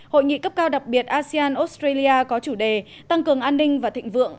hội nghị cấp cao đặc biệt asean australia có chủ đề tăng cường an ninh và thịnh vượng